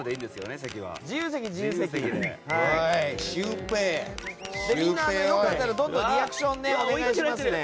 皆さんよかったら、どんどんリアクションお願いしますね。